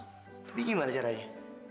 tapi gimana caranya